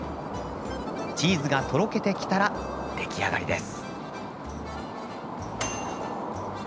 チーズがとろけてきたら出来上がりです。